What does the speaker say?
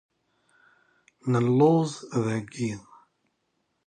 Nelluẓ dagi.